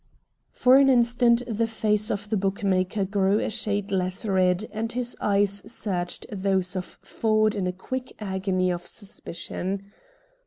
For an instant the face of the bookmaker grew a shade less red and his eyes searched those of Ford in a quick agony of suspicion.